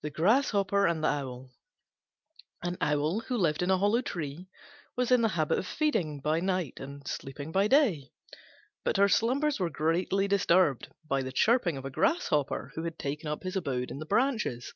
THE GRASSHOPPER AND THE OWL An Owl, who lived in a hollow tree, was in the habit of feeding by night and sleeping by day; but her slumbers were greatly disturbed by the chirping of a Grasshopper, who had taken up his abode in the branches.